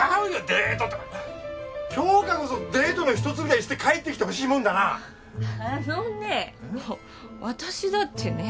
デートとか杏花こそデートの一つぐらいして帰ってきてほしいもんだなあのね